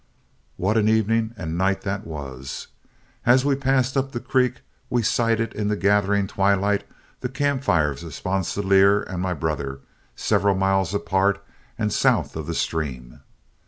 What an evening and night that was! As we passed up the creek, we sighted in the gathering twilight the camp fires of Sponsilier and my brother, several miles apart and south of the stream.